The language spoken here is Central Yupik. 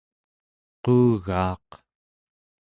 quugaaq